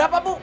ada apa bu